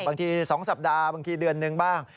๒สัปดาห์บางทีเดือนหนึ่งบ้าง